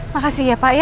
makasih ya pak ya